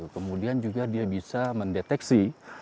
kemudian juga dia bisa mendeteksi